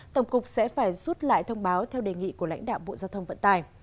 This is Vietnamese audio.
tổng cục sẽ phải rút lại thông báo theo đề nghị của lãnh đạo bộ giao thông vận tải